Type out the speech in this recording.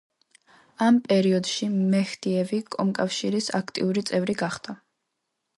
ამ პერიოდში მეჰდიევი კომკავშირის აქტიური წევრი გახდა.